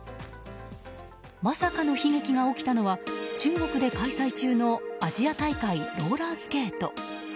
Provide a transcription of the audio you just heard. まさかの悲劇が起きたのは中国で開催中のアジア大会、ローラースケート。